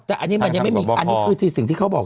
แต่อันนี้มันยังไม่มีอันนี้คือสิ่งที่เขาบอก